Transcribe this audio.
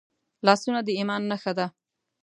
لاسونه د ایمان نښه ده